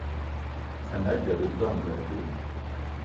Ane Atёbё Ebe anga be